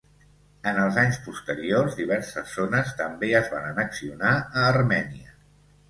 En els anys posteriors, diverses zones també es van annexionar a Armènia.